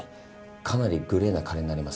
かなりグレーな金になります。